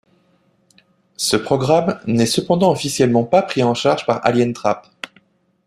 Ce programme n'est cependant officiellement pas pris en charge par Alientrap.